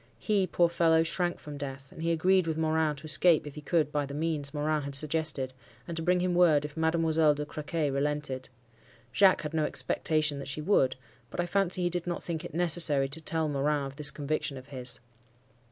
He, poor fellow, shrank from death; and he agreed with Morin to escape, if he could, by the means Morin had suggested, and to bring him word if Mademoiselle de Crequy relented. (Jacques had no expectation that she would; but I fancy he did not think it necessary to tell Morin of this conviction of his.)